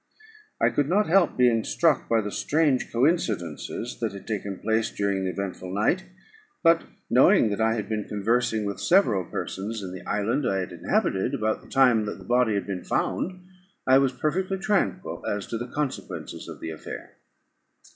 I could not help being struck by the strange coincidences that had taken place during this eventful night; but, knowing that I had been conversing with several persons in the island I had inhabited about the time that the body had been found, I was perfectly tranquil as to the consequences of the affair.